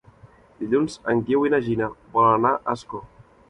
Dilluns en Guiu i na Gina volen anar a Ascó.